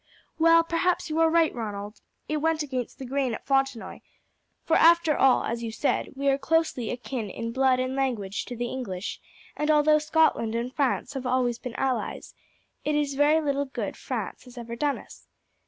"Well, perhaps you are right, Ronald; it went against the grain at Fontenoy; for after all, as you said, we are closely akin in blood and language to the English, and although Scotland and France have always been allies it is very little good France has ever done us.